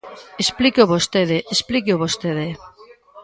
Explíqueo vostede, explíqueo vostede.